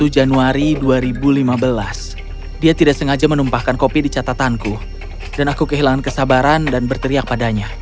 dua puluh januari dua ribu lima belas dia tidak sengaja menumpahkan kopi di catatanku dan aku kehilangan kesabaran dan berteriak padanya